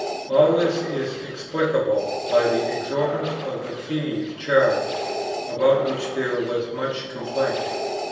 All this is expli cable by the exorbitance of the fees charged, about which there was much complaint.